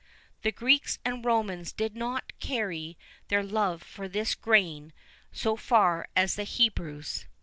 [V 7] The Greeks and Romans did not carry their love for this grain so far as the Hebrews.